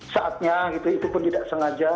saatnya gitu itu pun tidak sengaja